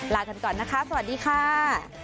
ลากันก่อนนะคะสวัสดีค่ะ